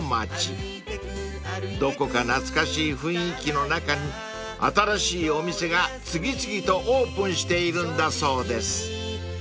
［どこか懐かしい雰囲気の中に新しいお店が次々とオープンしているんだそうです］